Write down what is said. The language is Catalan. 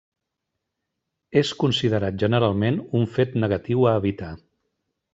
És considerat generalment un fet negatiu a evitar.